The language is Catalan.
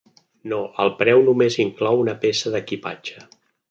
No, el preu només inclou una peça d'equipatge.